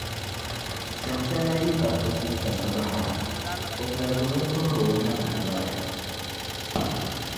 Sintana yi kariti Sintana bahira, o ŋmaligimi tuhir’ omaŋa m-bala.